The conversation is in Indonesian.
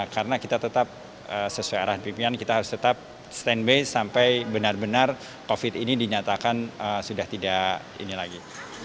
karena kita tetap sesuai arah pimpinan kita harus tetap stand by sampai benar benar covid ini dinyatakan sudah tidak ini lagi